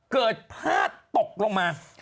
เกิดพลาดตกลงมา